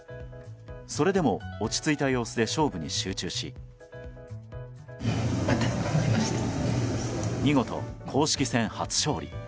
それでも落ち着いた様子で勝負に集中し見事、公式戦初勝利。